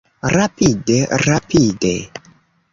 Rapide. Rapide.